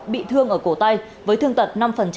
bị thương ở cổ tay với thương tật năm